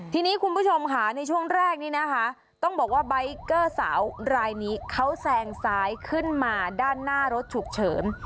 ทีนี้คุณผู้ชมค่ะในช่วงแรกนี้นะคะต้องบอกว่าใบเกอร์สาวรายนี้เขาแซงซ้ายขึ้นมาด้านหน้ารถฉุกเฉิน